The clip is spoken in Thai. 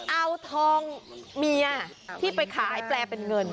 เอาทองเมียที่ไปขายแปลเป็นเงิน